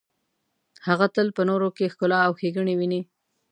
هغه تل په نورو کې ښکلا او ښیګڼې ویني.